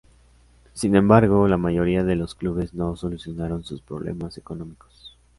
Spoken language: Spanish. Sin embargo, la mayoría de los clubes no solucionaron sus problemas económicos.